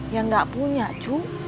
ya gak punya cu